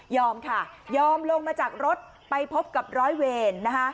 ค่ะยอมลงมาจากรถไปพบกับร้อยเวรนะคะ